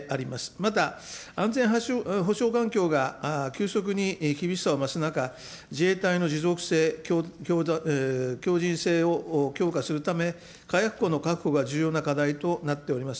また、安全保障環境が急速に厳しさを増す中、自衛隊の持続性、強じん性を強化するため、火薬庫の確保が重要な課題となっております。